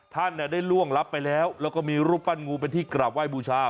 ท่านได้ล่วงรับไปแล้วแล้วก็มีรูปปั้นงูเป็นที่กราบไห้บูชา